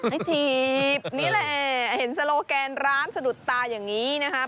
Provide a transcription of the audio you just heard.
ถีบนี่แหละเห็นโซโลแกนร้านสะดุดตาอย่างนี้นะครับ